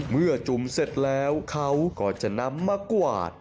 จุ่มเสร็จแล้วเขาก็จะนำมากวาด